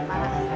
udah berguna ya